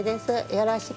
よろしく。